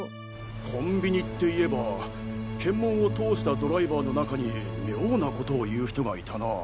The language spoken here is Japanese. コンビニっていえば検問を通したドライバーの中に妙な事を言う人がいたなぁ。